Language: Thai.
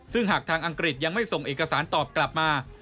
ซึ่งหากทางอังกฤษยังไม่ส่งเอกสารตอบกลับมา